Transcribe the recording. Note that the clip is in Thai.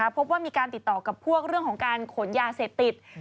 พบว่ามีการติดต่อกับพวกเรื่องของการขนยาเสพติด